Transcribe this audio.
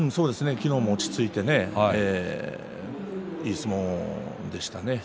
昨日も落ち着いてねいい相撲でしたね。